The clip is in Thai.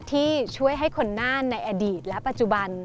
ที่ช่วยให้คนน่านในอดีตและปัจจุบัน